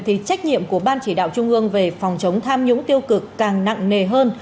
thì trách nhiệm của ban chỉ đạo trung ương về phòng chống tham nhũng tiêu cực càng nặng nề hơn